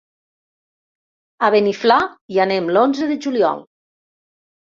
A Beniflà hi anem l'onze de juliol.